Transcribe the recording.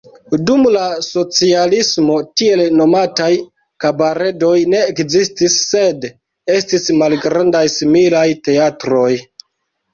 Dum la socialismo tiel nomataj kabaredoj ne ekzistis, sed estis malgrandaj similaj teatroj.